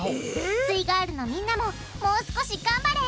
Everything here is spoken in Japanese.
すイガールのみんなももう少し頑張れ！